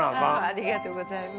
ありがとうございます。